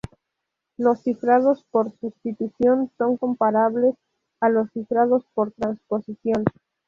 Los cifrados por sustitución son comparables a los cifrados por transposición.